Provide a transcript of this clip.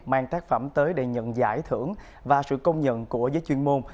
mang tác phẩm tới để nhận giải thưởng và sự công nhận của giới chuyên môn